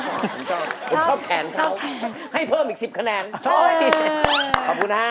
ชอบผมชอบผมชอบแขนเขาให้เพิ่มอีกสิบคะแนนชอบขอบคุณฮะ